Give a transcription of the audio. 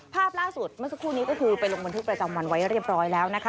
ภาพล่าสุดเมื่อสักครู่นี้ก็คือไปลงบันทึกประจำวันไว้เรียบร้อยแล้วนะคะ